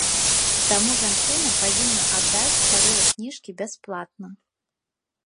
Таму жанчына павінна аддаць старыя кніжкі бясплатна.